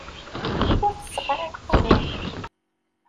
Ur tesseɣ ara lqahwa.